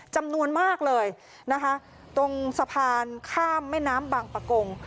จำนวนมากเลยนะคะตรงสะพานข้ามแม่น้ำบางประกง